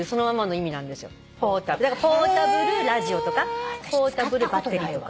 だからポータブルラジオとかポータブルバッテリーとか。